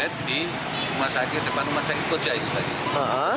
di rumah sakit depan rumah sakit koda itu tadi